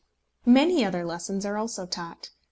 Many other lessons also are taught.